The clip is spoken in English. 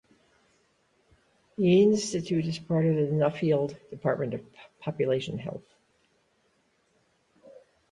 The institute is part of the Nuffield Department of Population Health.